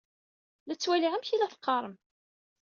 La ttwaliɣ amek i la teqqaṛem.